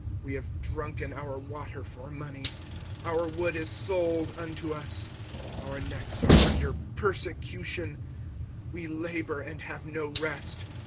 25:005:004 We have drunken our water for money; our wood is sold unto us. 25:005:005 Our necks are under persecution: we labour, and have no rest.